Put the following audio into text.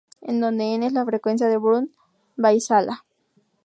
En donde N es la frecuencia de Brunt-Väisälä